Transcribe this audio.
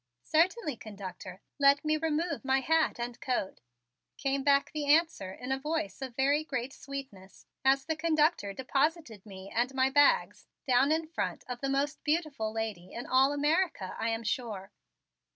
"Certainly, conductor; let me remove my hat and coat," came back the answer in a voice of very great sweetness as the conductor deposited me and my bags down in front of the most beautiful lady in all America, I am sure.